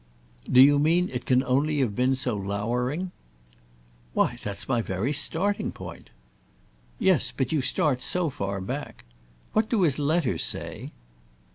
"Do you mean it can only have been so lowering?" "Why that's my very starting point." "Yes, but you start so far back. What do his letters say?"